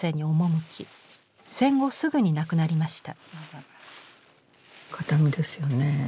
戦後すぐに亡くなりました。